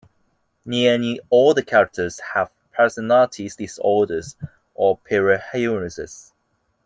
Nearly all the characters have personality disorders or paraphilias.